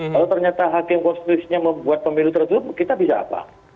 kalau ternyata hakim konstitusinya membuat pemilu tertutup kita bisa apa